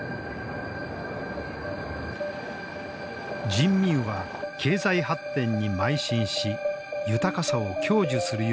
人民は経済発展にまい進し豊かさを享受するようになった。